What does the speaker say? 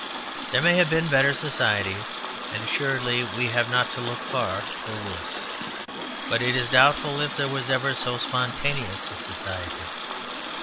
There may have been better societies, and assuredly we have not to look far for worse; but it is doubtful if there was ever so spontaneous a society.